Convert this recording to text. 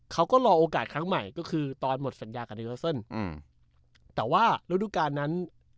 เขาก็รอโอกาสครั้งใหม่ก็คือตอนหมดสัญญากันอืมแต่ว่าโดยทุกการนั้น